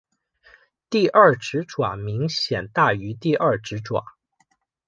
第二指爪明显大于第二指爪。